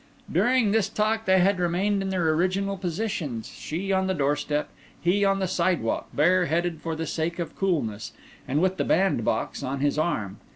During this talk they had remained in their original positions—she on the doorstep, he on the side walk, bareheaded for the sake of coolness, and with the bandbox on his arm.